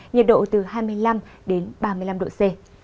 nhiệt độ từ hai mươi năm đến ba mươi năm độ c